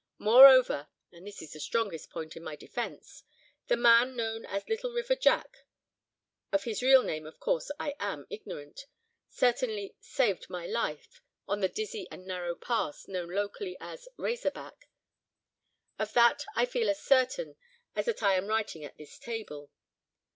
Moreover—and this is the strongest point in my defence—the man known as Little River Jack—of his real name, of course, I am ignorant—certainly saved my life, on the dizzy and narrow pass, known locally as 'Razor Back'—of that I feel as certain as that I am writing at this table.